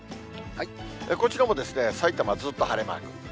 こちらも、さいたま、ずっと晴れマーク。